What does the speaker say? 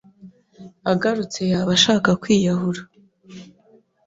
agarutse yaba ashaka kwiyahura